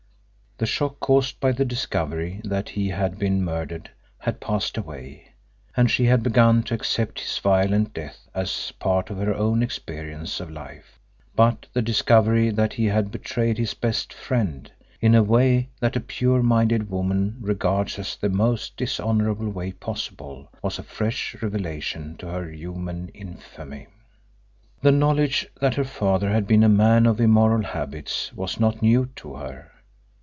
The shock caused by the discovery that he had been murdered had passed away, and she had begun to accept his violent death as part of her own experience of life. But the discovery that he had betrayed his best friend, in a way that a pure minded woman regards as the most dishonourable way possible, was a fresh revelation to her of human infamy. The knowledge that her father had been a man of immoral habits was not new to her.